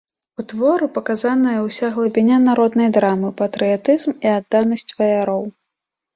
У творы паказаная ўся глыбіня народнай драмы, патрыятызм і адданасць ваяроў.